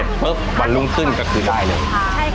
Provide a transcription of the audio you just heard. ใช่ครับแต่เป็นคนซื้อไม่เยอะใช่ครับ